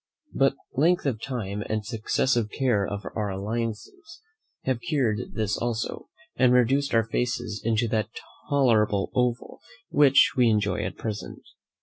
But length of time, and successive care in our alliances, have cured this also, and reduced our faces into that tolerable oval which we enjoy at present.